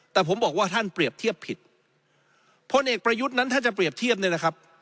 แต่ผมบอกว่าท่านเปรียบเทียบผิดพลเอกประยุทธ์นั้นถ้าจะเปรียบเทียบเนี่ยนะครับ